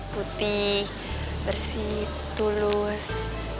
putih bersih tulus